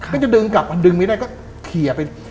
ก็จะดึงกลับมาดึงไม่ได้ก็เขียไป